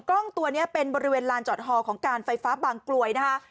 กล้องตัวนี้เป็นบริเวณลานจอดฮอของการไฟฟ้าบางกลวยนะคะ